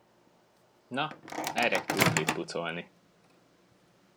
Na, eredj krumplit pucolni!